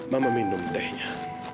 mama minum tehnya